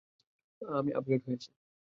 আমি আপগ্রেড হয়েছি।